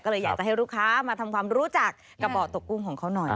ก็เลยอยากจะให้ลูกค้ามาทำความรู้จักกระเบาะตกกุ้งของเขาหน่อย